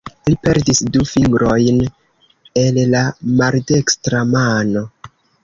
Li perdis du fingrojn el la maldekstra mano.